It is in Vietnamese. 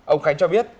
ông khánh cho biết